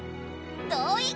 同意！